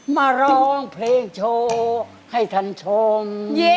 มาร้องเพลงโชว์ให้ท่านชม